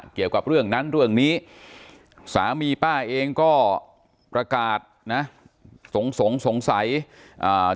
เกี่ยวกับเรื่องนั้นเรื่องนี้สามีป้าเองก็ประกาศนะสงสงสงสัยอ่า